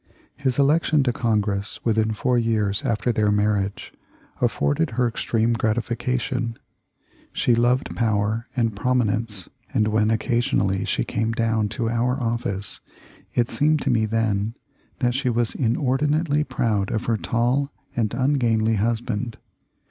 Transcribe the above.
His election to Con gress within four years after their marriage afforded her extreme gratification. She loved power and prominence, and when occasionally she came down to our office, it seemed to me then that she was inordinately proud of her tall and ungainly husband.